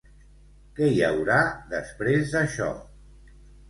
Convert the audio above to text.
Què hi haurà després d'això?